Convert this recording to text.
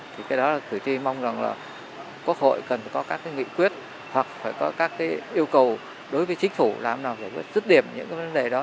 thì cái đó là cử tri mong rằng là quốc hội cần có các cái nghị quyết hoặc phải có các cái yêu cầu đối với chính phủ làm nào giải quyết rứt điểm những cái vấn đề đó